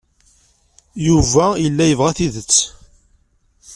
Yuba yella yebɣa tidet.